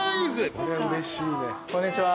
こんにちは。